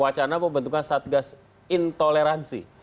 wacana pembentukan satgas intoleransi